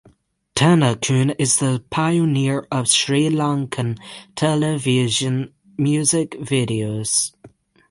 Tennakoon is the pioneer of Sri Lankan television music videos.